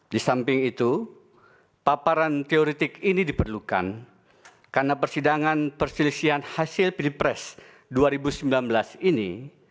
di samping itu paparan teoretik ini diperlukan karena persidangan perselisihan hasil pilpres dua ribu sembilan belas ini